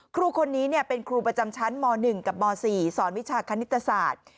ครูคนนี้เป็นครูประจำชั้นม๑กับม๔สอนวิชาคณิตศาสตร์